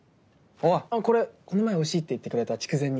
あっこれこの前おいしいって言ってくれた筑前煮。